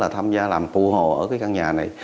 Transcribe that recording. tham gia làm phụ hồ ở căn nhà này